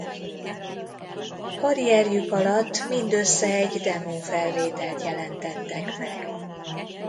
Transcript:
Karrierjük alatt mindössze egy demófelvételt jelentettek meg.